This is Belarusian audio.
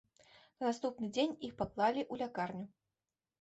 На наступны дзень іх паклалі ў лякарню.